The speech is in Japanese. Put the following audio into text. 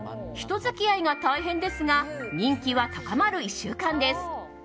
人付き合いが大変ですが人気は高まる１週間です。